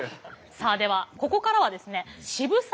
さあではここからはですね渋沢